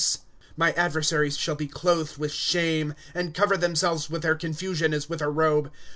Google 5" My adversaries shall be clothed with shame, And cover themselves with their confusion as with a robe.